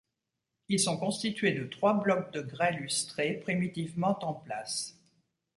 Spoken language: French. Ils sont constitués de trois blocs de grès lustré primitivement en place.